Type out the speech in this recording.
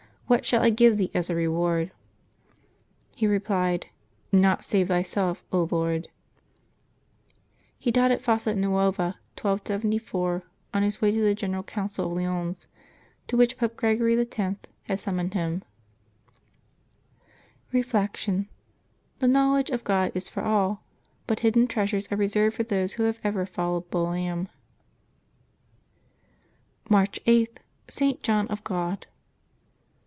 What shall I give thee as a reward?" he replied, "Naught save Thyself, Lord.'* He died at Fossa Nuova, 1274, on his way to the Gen eral Council of Lyons, to which Pope Gregory X. had sum moned him. Reflection. — The knowledge of God is for all, but hid den treasures are reserved for those who have ever followed the Lamb. March 8.— ST. JOHN OF GOD.